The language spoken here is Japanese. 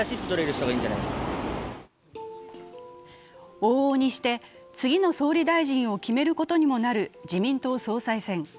往々にして次の総理大臣を決めることにもなる自民党総裁選。